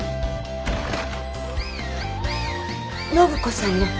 暢子さんの？